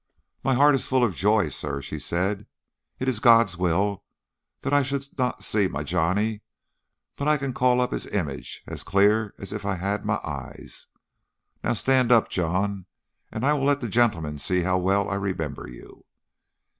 "My heart is full of joy, sir," she said; "it is God's will that I should not see my Johnny, but I can call his image up as clear as if I had my eyes. Now stand up, John, and I will let the gentleman see how well I remember you.